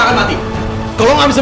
coba ngerjain nama general